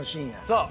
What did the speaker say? そう。